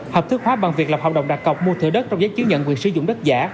hợp thức hóa bằng việc lập hợp đồng đặt cọc mua thửa đất trong giấy chứng nhận quyền sử dụng đất giả